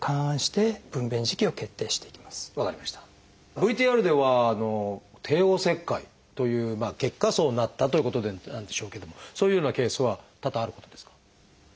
ＶＴＲでは帝王切開という結果そうなったということなんでしょうけどもそういうようなケースは多々あることですか？